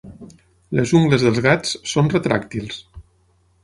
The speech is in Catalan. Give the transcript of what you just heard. Les ungles dels gats són retràctils.